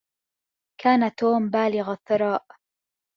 كان توم بالغ الثراء.